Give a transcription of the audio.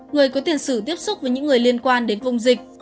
người có tiền sử tiếp xúc với những người liên quan đến vùng dịch